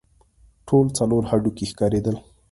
ټول څلور هډوکي ښکارېدل.